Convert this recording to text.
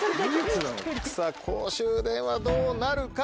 さぁ公衆電話どうなるか。